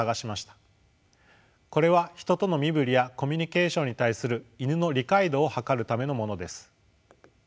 これはヒトとの身振りやコミュニケーションに対するイヌの理解度を測るためのものです。